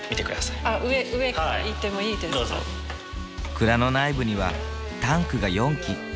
蔵の内部にはタンクが４基。